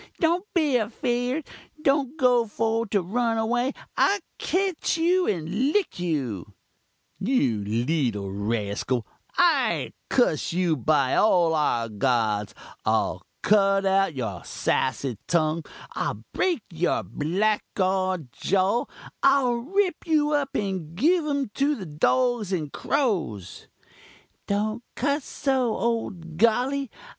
don't be afeerd! don't go for to run away! I'll ketch you and lick you ' "'You leetul raskul I'll kuss you by all our gods I'll cut out your sassy tung I'll break your blackguard jaw I'll rip you up and give um to the dogs and crows ' "'Don't cuss so, ole Golly!